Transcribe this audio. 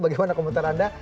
bagaimana komentar anda